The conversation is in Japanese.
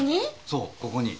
そうここに。